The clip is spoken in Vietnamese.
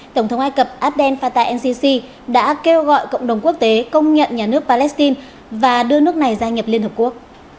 tổng thống ai cập abdel fattah el sisi đã kêu gọi cộng đồng quốc tế công nhận nhà nước palestine và đưa nước này gia nhập liên hợp quốc